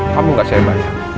kamu nggak serba